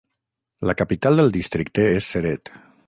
La capital del districte és Ceret.